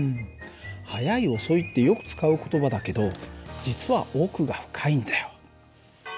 速い遅いってよく使う言葉だけど実は奥が深いんだよ。